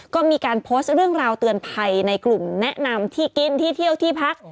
ก็มีการโพสต์เรื่องราวเตือนภัยในกลุ่มแนะนำที่กินที่เที่ยวที่พัก